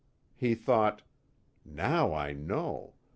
He thought: _Now I know.